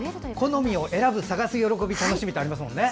好みを選ぶ探す喜び、楽しみありますもんね。